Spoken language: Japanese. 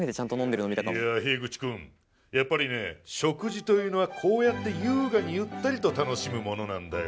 いやひぐち君やっぱりね食事というのはこうやって優雅にゆったりと楽しむものなんだよ。